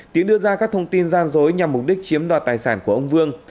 tiến đưa ra các thông tin gian dối nhằm mục đích chiếm đoạt tài sản của ông vương